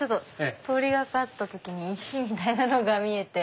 通り掛かった時に石みたいなのが見えて。